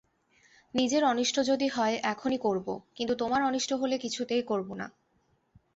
নিজের অনিষ্ট যদি হয় এখনই করব, কিন্তু তোমার অনিষ্ট হলে কিছুতেই করব না।